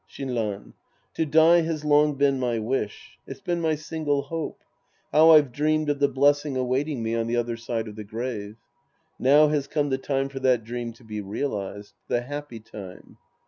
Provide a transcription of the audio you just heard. Shinran. To die has long been my wish. It's been my single hope. How I've dreamed of the blessing awaiting me on the other side of the grave ! Now has come the time for that dream to be realized. The happy time.